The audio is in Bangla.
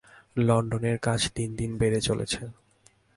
লণ্ডনের কাজ দিন দিন বেড়ে চলেছে।